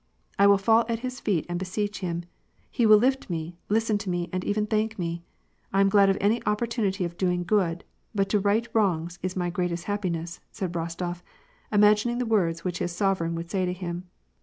" I will fall at his feet and beseech him. He will lift me, listen to me, and even thank me. ' I am glad of any opportunity of doing good, but to right wrongs is my great est happiness,' " said Bostof, imagining the words which his sovereign would say to him.